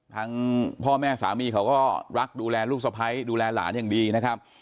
ทางพ่อแม่สามีเขาก็รักดูแลลูกสะพ้ายดูแลหลานอย่างดีนะครับ